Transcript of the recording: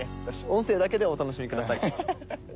よし音声だけでお楽しみください。